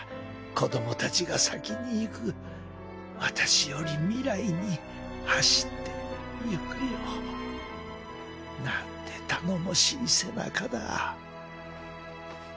子どもたちが先に行く私より未来に走っていくよ。なんて頼もしい背中だ